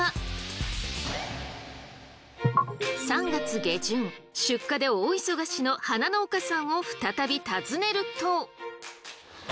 ３月下旬出荷で大忙しの花農家さんを再び訪ねると。